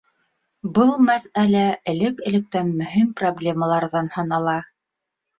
Был мәсьәлә элек-электән мөһим проблемаларҙан һанала.